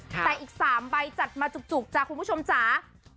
แต่อีก๓ใบจัดมาจุกจ้ะคุณผู้ชมจ๋า